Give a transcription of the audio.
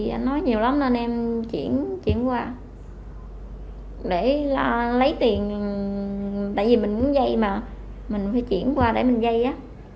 và nói nhiều lắm nên em chuyển qua để lấy tiền tại vì mình muốn dây mà mình phải chuyển qua để mình dây á